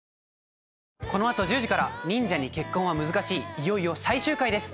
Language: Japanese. この後１０時から『忍者に結婚は難しい』いよいよ最終回です。